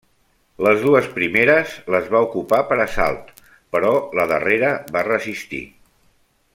Les dues primeres les va ocupar per assalt, però la darrera va resistir.